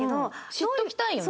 知っておきたいよね。